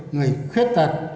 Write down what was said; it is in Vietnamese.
người khuyết tật